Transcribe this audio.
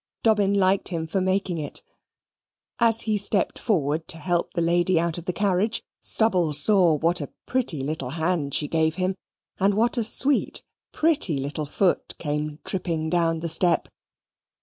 Dobbin liked him for making it. As he stepped forward to help the lady out of the carriage, Stubble saw what a pretty little hand she gave him, and what a sweet pretty little foot came tripping down the step.